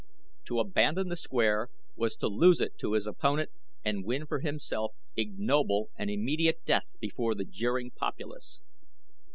To abandon the square was to lose it to his opponent and win for himself ignoble and immediate death before the jeering populace.